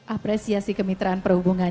apresiasi kemitraan perhubungan